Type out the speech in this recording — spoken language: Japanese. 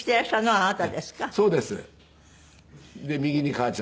あなた。